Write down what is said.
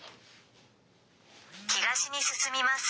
東に進みます。